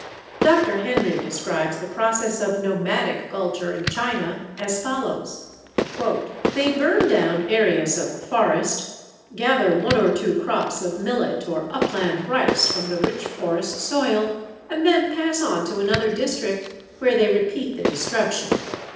Dr. Henry describes the process of "nomadic" culture in China as follows: "They burn down areas of the forest; gather one or two crops of millet or upland rice from the rich forest soil; and then pass on to another district where they repeat the destruction."